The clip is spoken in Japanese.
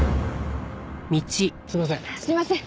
すいません。